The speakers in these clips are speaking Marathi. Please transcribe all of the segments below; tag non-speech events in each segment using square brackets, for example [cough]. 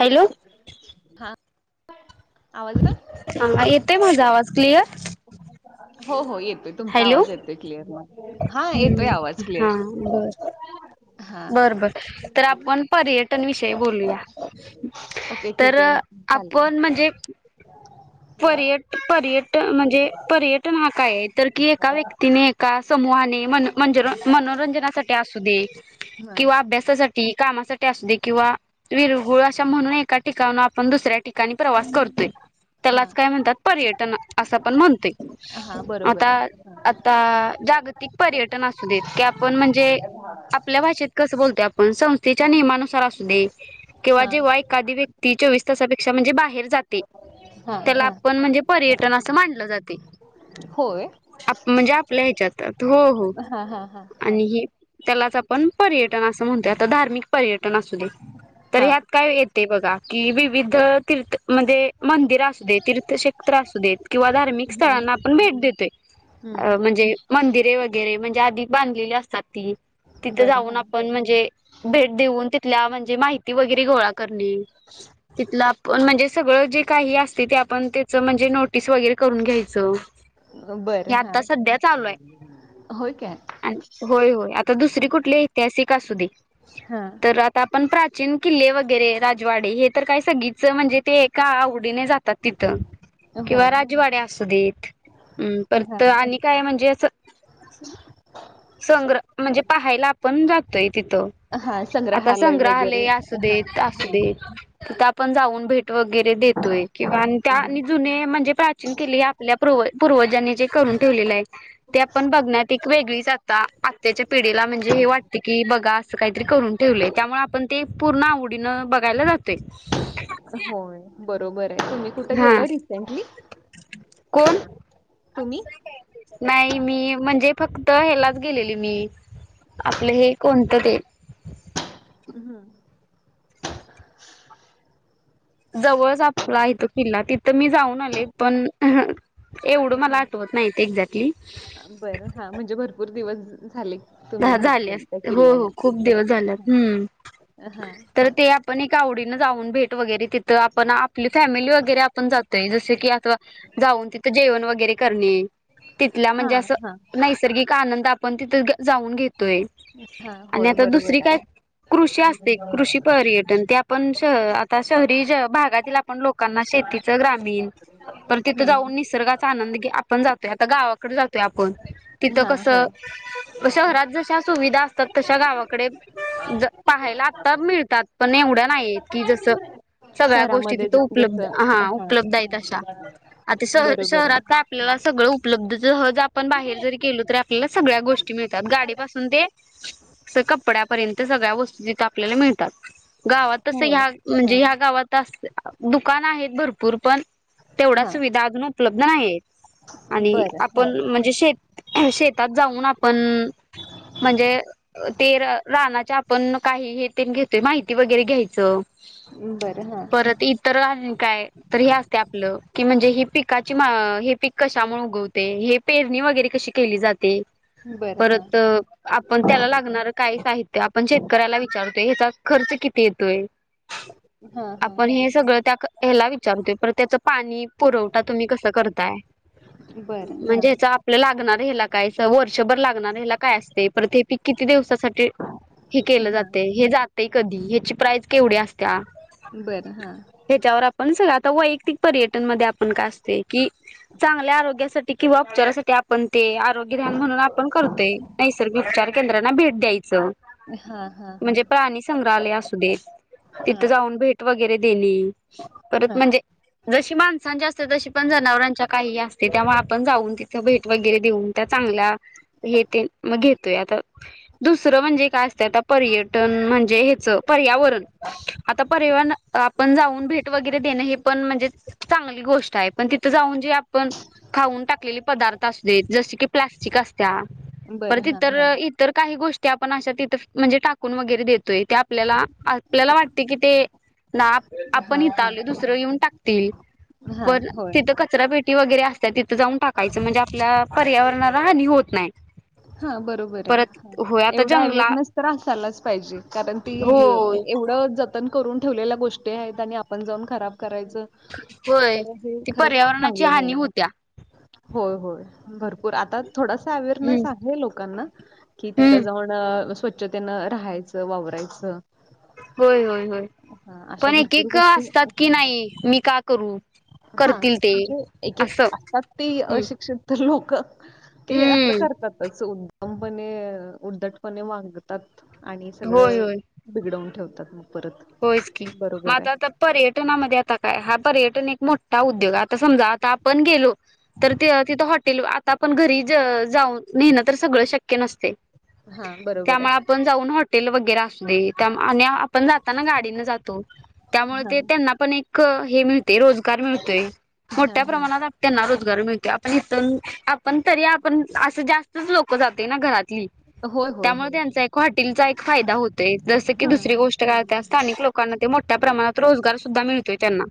हॅलो. हा आवाज येतोय? हा येते माझा आवाज क्लिअर? हो हो येतोय. तुमचा हॅलो आवाज येतोय क्लिअर हा येतोय आवाज हा क्लिअर. बर हा बर बर तर आपण पर्यटन विषयी बोलूया ओके तर ठीक आहे चालेल आपण म्हणजे [inaudible] पर्यट, पर्यट म्हणजे पर्यटन हा काय आहे तर की एका व्यक्तीने समूहाने मनोरंजनासाठी असू दे हां किंवा अभ्यास सासाठी कामासाठी अस दे किंवा विरगुळ अशा म्हणून एका ठिकाण आपण दुसऱ्या ठिकाणी प्रवास करतोय. त्यालाच हां काय म्हणतात पर्यटन असं पण म्हणतोय हां बरोबर आता, आहे आता जागतिक पर्यटन असू देत की आपण म्हणजे आपल्या भाषेत कसं बोलतो आपण संस्थेच्या नियमानुसार असू दे किंवा हां जेव्हा एखादी व्यक्ती चोवीस तासापेक्षा म्हणजे बाहेर जाते. [inaudible] त्याला आपण म्हणजे पर्यटन असं मानलं जातंय. होय. आप म्हणजे आपल्या ह्याच्यात हो हो हां हां हां हां आणि ही त्यालाच आपण पर्यटन असं म्हणतोय आता धार्मिक पर्यटन असू दे तर हां ह्यात काय ते बघा की विविध तीर्थ म्हणजे मंदिर तीर्थक्षेत्र असू देत किंवा धार्मिक स्थळांना आपण भेट देतोय अ म्हणजे मंदिरे वगैरे म्हणजे आधी बांधलेली असतात ती तिथे बरं जाऊन हां आपण म्हणजे भेट देऊन तिथल्या म्हणजे माहिती वगैरे घोळा त म्हण स का. त्याच म्हणजे नोटीस वगैर करून घ्यायचं हे बरं हां आता सध्या चालू आहे. होय काय? होय होय आता दुसरी कुठली ऐतिहासिक असु दे हां तर आ. आपण प्राचीन किल्ले वगैरे राजवाडे हे तर काय सगीच म्हणजे ते एका आवडीने जात तिथ किंवा होय राजवाडे असू देत परत हां आणि काय म्हणजे असं संग्रह म्हणजे पाहायला आपण जातोय तिथं हां आता वगैरे संग्रहालय असू हां देत असू हां दे आपण जाऊन भेट वगैरे देतोय किंवा अन् त्या जुने म्हणजे केली आपल्या पूर् पूर्वजांनी जे करून ठेवलेलं आहे ते आपण बघण्यात एक वेगळीच आता आताच्या पिढीला म्हणजे हे वाटते की बघा काहीतरी करून ठेवलेय त्यामुळे आपण ते पूर्ण आवडीन बघायला जातोय होय बरोबर आहे तुम्ही कुठे हा गेलाय रिसेंटली कोण तुम्ही नाही मी म्हणजे फक्त ह्यालाच गेलेली मी आपलं हे कोणतं ते हम जवळच आपला आहे तो किल्ला तिथं मी जाऊन आले पण एवढं मला आठवत नाहीत एक्झॅक्टली बरं म्हणजे भर भरपूर दिवस झाले तुम्ही भेट झाले देऊन त्या हो हो किल्ल्याला. खूप दिवस ओके झालेत हम्म हा तर ते आपण एक आवडीनं जाऊन भेट वगैरे तिथं आपण आपली फॅमिली वगैरे आपण जातोय जस की आता जाऊन तिथं जेवण वगैरे करणे तिथल्या हा म्हणजे असं हा हा नैसर्गिक आनंद आपण तिथे जाऊन घेतोय हा आणि होय आता दुसरी बरोबर आहे काय कृषी असते कृषी पर्यटन ते आपण श आता शहरी भागातील आपण लोक कांना शेतीच ग्रामीण पण तिथं जाऊन हम्म निसर्गात आनंदी आपण जातोय आता गावाकडे जातोय आपण तिथं हा कसं होय शहरात जशा सुविधा असतात तशा गावाकडे पाहायला आत्ता मिळतात पण एवढ्या नाहीय की जसं सगळ्या गोष्टी शहरामध्ये तिथे जस उपलब्ध हा उपलब्ध आहेत अशा आता श बरोबर आहे शहरात आपल्याला सगळं उपलब्धहज आपण बाहेर जर केलो तर आपल्याला सगळ्या गोष्टी मीळतात गाडी पासून ते कपड्यापर्यंत सगळ्या वस्तू तिथे आपल्याला मिळत. गावात तस होय ह्या म्हणजे हा ह्या गावात अ दुकान आहेत भरपूर पण तेवढा हा सुविधा अजून उपलब्ध नाही आणि बरं हा आपण म्हणजे शेती शेतात जाऊन आपण म्हणजे ते रानाच्या आपण काही हे ते घेतोय माहिती वगैरे घ्यायच बरं हा परत इतर आणी काय तर हे असते आप आप ल की म्हणजे ही पिकाची हे पी कशामुळे उगवते हे पेरणी वगैरे कशी केली जाते बरं हा परत आपण त्याला लागणार काही साहित्य आपण शेतकऱ्याला विचारतोय ह्याचा खर्च किती येतोय हा हा आपण हा हे सगळं त्या ह्याला विचारतोय पर त्याच पाणी पुरवठा तुम्ही कस करताय बरं हा म्हणजे याचा आपल्या लागणार हेला काय वर्षभर लागणार ह्याला काय असते पर ते पी किती दिवसासाठी हे केलं हा जाते हे जाते कधी ह्याची प्राईज केवढी असत्या बरं हा ह्याच्यावर आपण स आता वैयक्तिक पर्यटन मध्ये आपण काय आसतंय कि चांगल्या आरोग्यासाठी किंवा उपचारासाठी आपण ते [unintelligible] म्हणून आपण करतोय नैसर्गिक उपचार केंद्रांना भेट द्यायचं हा हा हा म्हणजे प्राणी संग्रहालय असू देत तिथं हा जाऊन भेट वगैरे दिली परत हा म्हणजे जशी माणसांच्या असते तशी पण जनावरांच्या काही असते त्यामुळे आपण जाऊन तिथे भेट वगैरे देऊन त्या चांगल्या हे तेन मग घेतोय आता दुसरं म्हणजे काय आ आता पर्यटन म्हणजे ह्याचं पर्यावरण आता परिवन आपण जाऊन भेट वगैरे देण हे पण म्हणजे चांगली गोष्ट आहे पण तिथ जाऊन जे आपण खाऊन टाकलेले पदार्थ असुदेत जसे की चीक आसत्या बरं परत हा ईतर हा इतर काही गोष्टी आपण आशा तीत म्हणजे टाकून वगरे देतोय आपल्याला आपल्याला वाटते कि ते ना हा आपण हित हा आलोय दुसरं येेऊन टाकतील हा पण होय तिथं कचरा पेटी वगैरे असतात तिथं जाऊन टाकायचं म्हणजे आपल्या पर्यावरणाला हानी होत नाही हा बरोबर परत आहे होय आता एवढा जंगला अवेरनेस तर असायलाच पाहिजे कारण ती होय एवढ ज पन करून ठेवलेल्या गोष्टी आहेत आणि आपण जाऊन खराब करायच होय तर हे ती खरंच पर्यावरणाची चांगलं हानी नाही आहेे होत्या होय होय भरपूर आता थोडासा अवेअरनेस हम्म हे लोकांना कि तिथं हम्म जाऊन स्वच्छतेनं राहायचं वावरायचं होय होय होय हा अशा पण भरपूर एकेक गोष्टी असतात की हा नाही मी का करू हा करतील ते म्हणजे एक एक असं असतात ते हम्म अशिक्षण तर लोक ते असं हम्म करतातच उद्दमपणे उद्दटपणे वागात ात आणि होय सगळं बिघडवून ठेवतात मग परत होय च की मा बरोबर आहे आता पर्यटनामध्ये आता काय हा पर्यटन एक मोठा उद्योग आता समजा आता आपण गेलो तर तिथं हॉटेल आता आपण घरी जाऊन नेणं तर सगळं शक्य नसते. हा बरोबर त्यामुळे आहे. आपण जाऊन हॉटेल वगैरे असू दे आणि आपण जाताना गाडीन जातो त्यामुळे हा ते त्यांना पण एक हे मिळते रोजगार मिळतोय हा मोठ्या हा प्रमाणात त्यांना रोजगार मिळतो आपण इथुन आपण तरी आपण आसं जास्त लोक जाते ना घरातली होय होय त्यामुळे होय त्यांचा एक हॉटेलचा एक फायदा होत ते जसं की हा दुसरी गोष्ट हा कायता स्थानिक लोकांना ते मोठ्या प्रमाणात रोजगार सुद्धा मिळतोय त्यांना.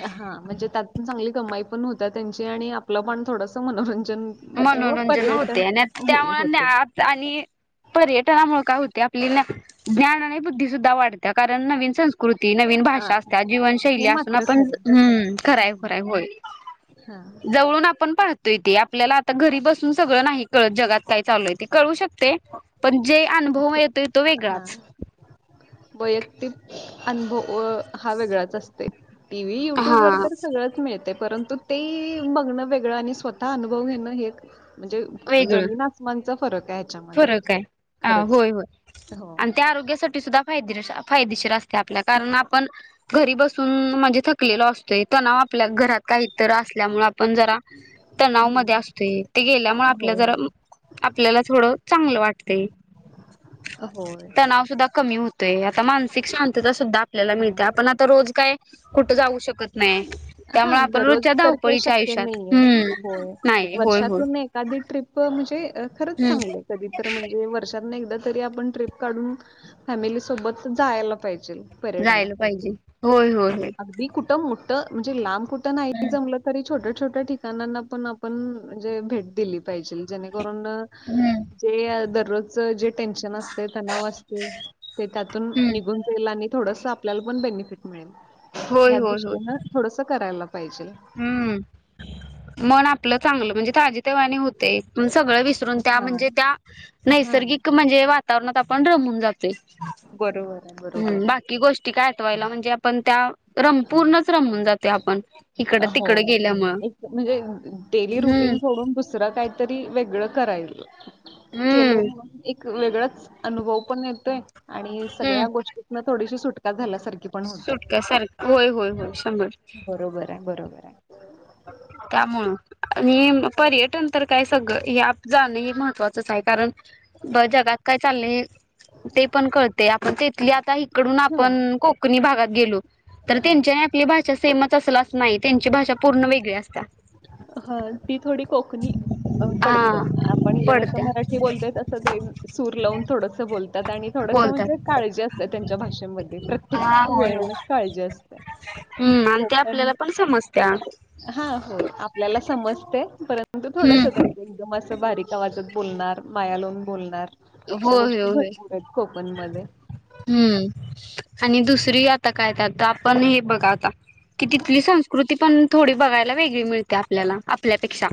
हा म्हणजे त्यात चांगली कमाई पण होता त्यांची आणि आपलं पण थोडसं मनोरंजन किंवा मनोरंजन पर्यटन होते आणि हो- त्यामुळे. होते आणि पर्यटनामुळे काय होते आपली ज्ञान आणि बुद्धी सुद्धा वाढते. त्या कारण नवीन संस्कृती नवीन हा भाषा असत जीवनशैली हे असून मात्र आपण खरं ह् खराय हम्म. खराय होय हा जवळून आपण पाहतो. आपल्याला आता घरी बसून सगळं नाही कळत जगात काय चालू आहे कळू शकत. ते पण जे अनुभव प- येतोय तो हा वेगळाच. वैयक्तिक अनुभव हा वेगळाच असते. टी व्ही युट्यूब हा वर तर सगळं. मिळ परंतु ते बगणं वेगळं आणि स्वतः अनुभव घेणं हे. म्हणजे वेगळं जमीन आसमांचा फरक आहे. ह्याच्यामध्ये फरक आहे खरंच होय होय. हो आ फादेशीर अस आपल्याण आपण घरी बसून म्हण. टले असतोय तणाव आपल्या घरात काहीत असल्यामुळे आपण जरा. तनाव हम्म मध्ये असतोय ते गेल्यामुळेआ आपल्या होय जरा होय आपल्याला थोडं चांगलं वाटते होय तनाव सुधा कमी हो आता मानसिक शांतता सुद्धा आपल्याला हा मिळते आपण आता रोज काय कुठं जाऊ शकत नाही त्यामुळे हा आपण दररोज रोजच्या तर ते धावपळीच्या शक्य आयुष्यात नाही हम्म आहे होय नाही होय होय वर्षातून एक आधी ट्रीप म्हणजे खरंच हम्म चांगले आहे. कधी तर म्हणजे वर्षांना एकदा तरी आपण ट्रिप काढून. फॅमिली सोबत जायला पाहिजे. पर्यटन जायला पाहिजे होय होय होय अग कुठ म्हणजे लांब कुठ नाही तरी छोट्या छोट्या ठिकाणांना पण आपण जे भेट दिली पाहिजे जेणेकरून. हम्म जे दररोजच जे टेन्शन असतोय तणाव असतोय. ते त्यातून हम्म निघून जाईल आणि थोडस आपल्याला पण बेनिफिट मिळेल होय ह होय होय दृष्टीनं थोडस करायला पाहिजे. हम्म मन आपलं चांगलं म्हणजे ताजी तेवा्हाणी होते पण सगळं वि सरुन त्या हा म्हणजे त्या हा नैसर्गिक म्हणजे वातावरणात आपण रमून जातो. बरोबर आहे बरोबर हम्म आहे बाकी गोष्ट ती काय आठवायला म्हणजे आपण त्या रम पूर्णच रमून जाते आपण. इकडं हो तिकडं गेल्यामुळं एक म्हणजे डेली हम्म रुटीन सोडून दुसरं काय तरी वेगळं करायल हम्म केलं एक वेगळाच अनुभव पण येतोय. आणि हम्म सगळ्या गोष्टीतन थोडीशी सुटका झाल्यासारखी पण होत्या. सुटका सारख होय होय होय शंभर बरोबर आहे. बरोबर आहे. त्यामुळं. आणि पर्यटन तर काय सगळं हे जाणं हे महत्त्वाचंच आहे कारण ब जगात काय चालल ते पण कळते आपण तेथली आ आत्ता इकडून हा आपण कोकणी भागात गेलो तर हा त्यांच्या आपली भाषा सेमच असलच नाही त्यांची भाषा पूर्ण वेगळी असत्या. हा ती थोडी कोकणी अ पडते हा आपण हित जसं पडत्या मराठी बोलतोय तसं सूर लावून थोडस बोलतात आणि थोडस म्हणजे बोलतात काळजी असत्या त्यांच्या भाषेमध्ये प्रत्येक हा होय होय. वेळेला काळजी असत्या. हम्म आणि ते आपल्याला पण समजत्या. हा हो आपल्याला समजते परंतु थोडस हम्म त्यां एकदम असं बारीक आवाजात बोलणार माया लोून बोलणार. अशा होय होय गोष्टी होय. भरपूर आहेत कोकण मध्ये. हम्म आणि दुसरी आता काय त्या आपण हे बघा आता. की तिथली संस्कृती पण थोडी बघायला वेगळी मिळते आपल्याला आपल्यापेक्षा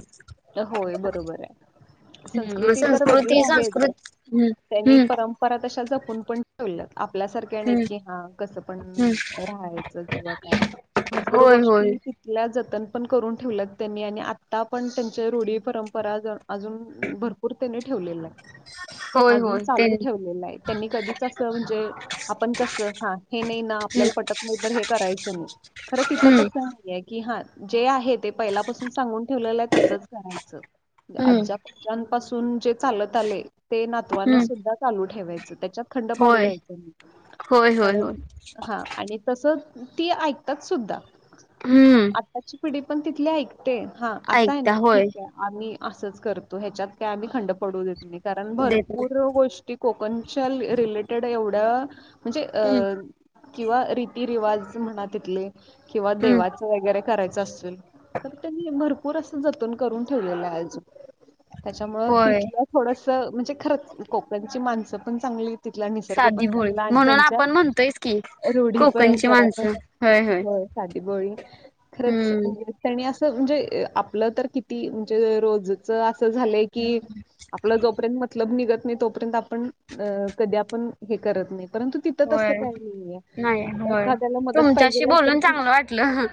होय बरोबर आहे. हम्म मग संस्कृती तर वेगळी संस्कृती आहेच संस्कृत हम्म त्यांनी हम्म परं परत अशा जपून पण ठेवल्या. आपल्यासारख्या नाही हम्म की, हा कसं पण हम्म राहायचं किंवा काय. भरपूर होय होय गोष्टी तिथल्या जतन पण करून ठेवल्या त्यांनी आणि आता पण रूढी परंपरा अजून भरपूर त्याने ठेवलेल आहे. [inaudible] अजून त्यां चालू ठेवलेलं आहे. त्यांनी कधीच असं म्हणजे. आपण कस हा हे नाही ना आपल्याला पटत नाही तर हे करायचं ना खरं तिथं हम्म तसं नाही की हा जे आहे. ते पहिल्यापासून सांगून ठेवलेलं आहे. तसच करायचं ते हम्म आजाप ज्या पासून जे चालत आले ते नातवानं हम्म सुद्धा चालू ठेवायचं त्याच्यात खंड पाडू होय द्यायचं नाही होय होय कारण होय हा आणि तस ती ऐकतात सुद्धा हम्म आताची पिढी पण तिथली ऐकत ते हा असा आहे ऐकता ना. ठीक होय आम्ही असच करतो ह्याच्यात का आम्ही खंड पडू देत नाही कारण देत नाही भरपूर गोष्टी. कोकणच्या रिलेटेड एवढ्या म्हणजे हम्म अ. किंवा रीतीरिवाज म्हणा तिथले किंवा हम्म देवाच. वगैरे करायच असल तर त्यांनी भरपूर असं जतन करून ठेवलेलं आहे अजून. त्याच्यामुंळ होय तिथलं थोडस म्हणजे खरंच कोकणची माणसं पण चांगली तिथला निसर्ग साधी पण भोळी चांगला आणि म्हणून त्यांच्या आपण म्हणतोयच की रूढी परंपरा पण होय. साधी बोळी खरच हम्म त्यांनी असं म्हणजे आपलं तर. किती म्हणजे रोजच असं झालंय की, आपला जोपर्यंत मतलब निघत नाही तोपर्यंत आप पण अ कधी आपण करत नाही परंतु तिथ होय नाही होय मदत तुमच्याशी पाहिजेल आहे तर बोलून ती चांगलं वाटलं अ ह.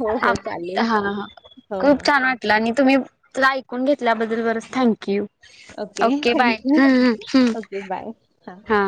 हो हो आप त चालेल हा हा हो हो खूप छान वाट आणि तुम्ही मला ऐकून घेतल्याबद्दल बरंच थँक्यू. ओके बाय.. हं हं हं... ओके बाय हां हा.